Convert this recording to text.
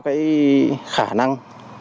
cái khả năng